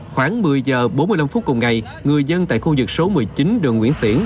khoảng một mươi h bốn mươi năm phút cùng ngày người dân tại khu vực số một mươi chín đường nguyễn xiển